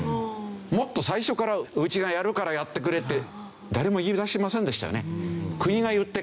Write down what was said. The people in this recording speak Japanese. もっと最初からうちがやるからやってくれって誰も言い出しませんでしたよね。